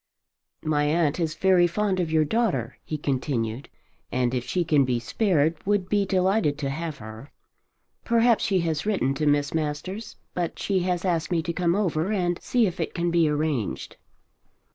"My aunt is very fond of your daughter," he continued, "and if she can be spared would be delighted to have her. Perhaps she has written to Miss Masters, but she has asked me to come over and see if it cannot be arranged."